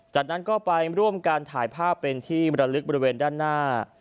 จากนั้นก็ไปร่วมการถ่ายภาพเป็นที่มรลึกบริเวณด้านหน้า